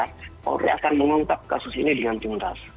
folding akan mengungkap kasus ini dengan cundas